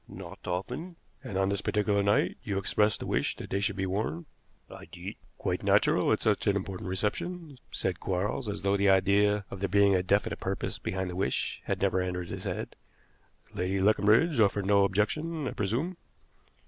"Not often." "And on this particular night you expressed a wish that they should be worn?" "I did." "Quite natural at such an important reception," said Quarles, as though the idea of there being a definite purpose behind the wish had never entered his head. "Lady Leconbridge offered no objection, I presume?"